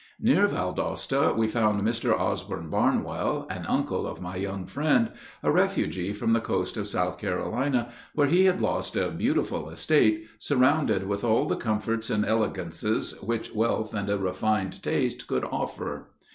Near Valdosta we found Mr. Osborne Barnwell, an uncle of my young friend, a refugee from the coast of South Carolina, where he had lost a beautiful estate, surrounded with all the comforts and elegances which wealth and a refined taste could offer.